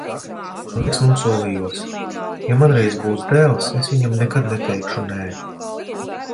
Un es nosolījos: ja man reiz būs dēls, es viņam nekad neteikšu nē.